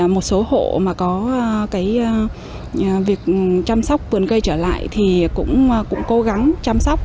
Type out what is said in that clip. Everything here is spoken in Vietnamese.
một số hộ mà có cái việc chăm sóc vườn cây trở lại thì cũng cố gắng chăm sóc